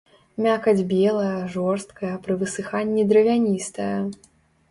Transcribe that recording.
Мякаць белая, жорсткая, пры высыханні дравяністая.